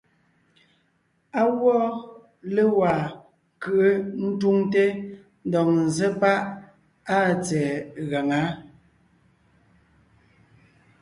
Á gwɔ́ légwá ńkʉ́ʼʉ ńtúŋte ńdɔg ńzsé páʼ áa tsɛ̀ɛ gaŋá.